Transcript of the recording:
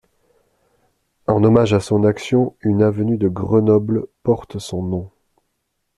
En hommage à son action, une avenue de Grenoble porte son nom.